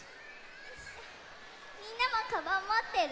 みんなもカバンもってる？